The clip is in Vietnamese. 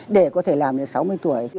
để có thể làm đến sáu mươi tuổi